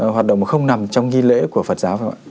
hoạt động không nằm trong nghi lễ của phật giáo